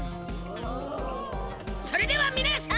それではみなさん